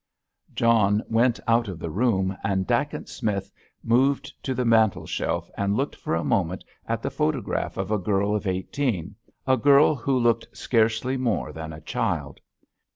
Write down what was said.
John went out of the room, and Dacent Smith moved to the mantelshelf and looked for a moment at the photograph of a girl of eighteen, a girl who looked scarcely more than a child.